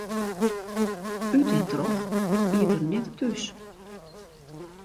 Ut en troch iet er net thús.